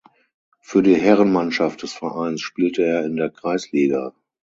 Für die Herrenmannschaft des Vereins spielte er in der Kreisliga.